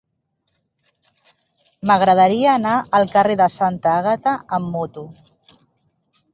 M'agradaria anar al carrer de Santa Àgata amb moto.